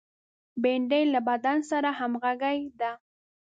بېنډۍ له بدن سره همغږې ده